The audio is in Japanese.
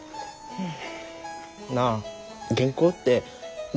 うん。